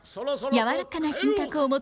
やわらかな品格を持つ